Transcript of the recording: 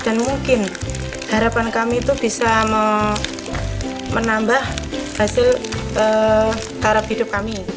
dan mungkin harapan kami itu bisa menambah hasil harap hidup kami